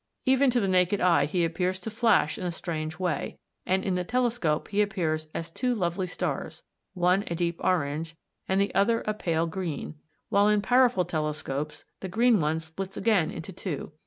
Even to the naked eye he appears to flash in a strange way, and in the telescope he appears as two lovely stars, one a deep orange and the other a pale green, while in powerful telescopes the green one splits again into two (Plate II.)